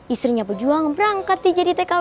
istrinya pejuang berangkat di jadi tekanan